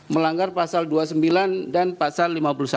melanggar pasal dua puluh sembilan dan pasal lima puluh satu